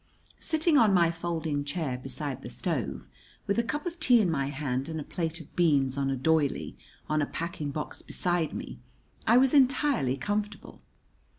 Sitting on my folding chair beside the stove, with a cup of tea in my hand and a plate of beans on a doily on a packing box beside me, I was entirely comfortable.